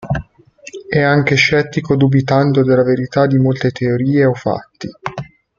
È anche scettico dubitando della verità di molte teorie o fatti.